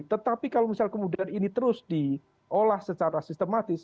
tetapi kalau misal kemudian ini terus diolah secara sistematis